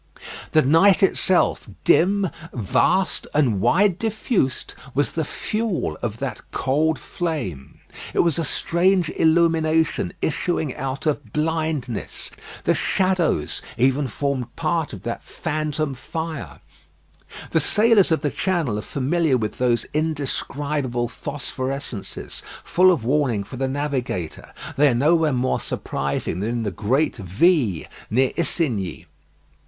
The night itself, dim, vast, and wide diffused, was the fuel of that cold flame. It was a strange illumination issuing out of blindness. The shadows even formed part of that phantom fire. The sailors of the Channel are familiar with those indescribable phosphorescences, full of warning for the navigator. They are nowhere more surprising than in the "Great V," near Isigny.